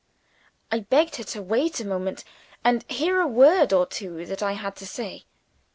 I begged her to wait a moment, and hear a word or two that I had to say.